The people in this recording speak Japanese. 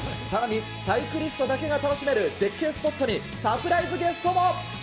さらに、サイクリストだけが楽しめる絶景スポットに、サプライズゲストも。